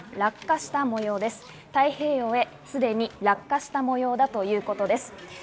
太平洋へすでに落下した模様だということです。